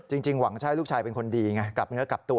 จริงหวังว่าจะให้ลูกชายเป็นคนดีไงกลับนึงก็กลับตัว